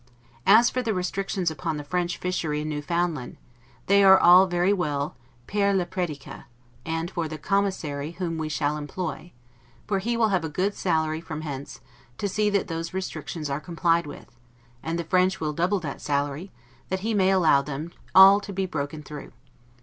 As for the restrictions upon the French fishery in Newfoundland, they are very well 'per la predica', and for the Commissary whom we shall employ: for he will have a good salary from hence, to see that those restrictions are complied with; and the French will double that salary, that he may allow them all to be broken through.